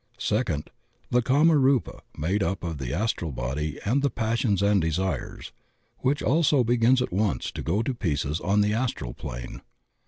Second, the kama rupa made up of the astral body and the passions and desires, which also begins at once to go to pieces on the astral plane.